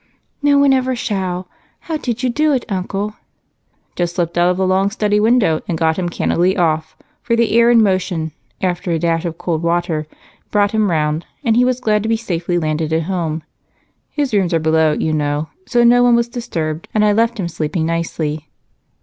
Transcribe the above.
"No one ever shall. How did you do it, Uncle?" "Just slipped out of the long study window and got him cannily off, for the air and motion, after a dash of cold water, brought him around, and he was glad to be safely landed at home. His rooms are below, you know, so no one was disturbed, and I left him sleeping nicely."